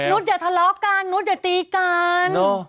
อย่าทะเลาะกันนุษอย่าตีกัน